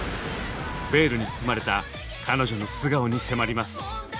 ベールに包まれた彼女の素顔に迫ります。